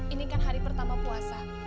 ini kan hari pertama puasa